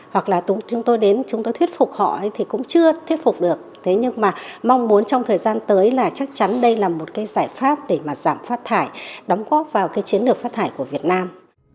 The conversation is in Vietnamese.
hoặc là chúng tôi đến chúng tôi thuyết phục họ thì cũng chưa thuyết phục được thế nhưng mà mong muốn trong thời gian tới là chắc chắn đây là một cái giải pháp để mà giảm phát thải đóng góp vào cái chiến lược phát thải của việt nam